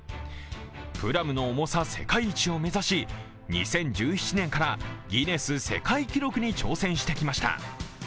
プラムの重さ世界一を目指し２０１７年からギネス世界記録に挑戦してきました。